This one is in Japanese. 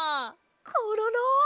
コロロ！